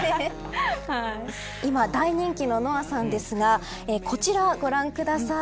今大人気のＮＯＡさんですがこちら、ご覧ください。